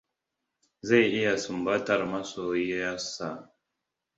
Zai iya sumbantar masoyiyar sa.